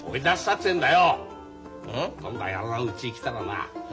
今度野郎がうちへ来たらな